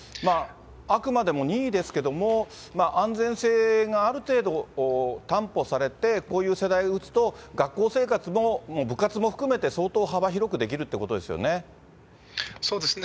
あくまでも任意ですけども、安全性がある程度、担保されて、こういう世代が打つと、学校生活も、部活も含めて、相当幅広くできるっていうことですよね。